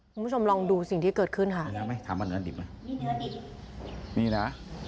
คุณผู้ชมลองดูสิ่งที่เกิดขึ้นค่ะ